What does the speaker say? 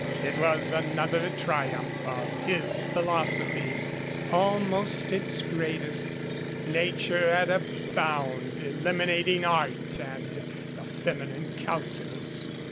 It was another GREAT PAN IS DEAD triumph of his philosophy, almost its greatest Nature at a bound eliminating art and the feminine calculus.